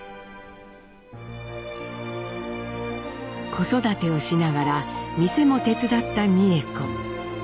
子育てをしながら店も手伝った美枝子。